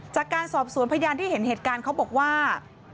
จากการสอบสวนพยานที่เห็นเหตุการณ์เขาบอกว่า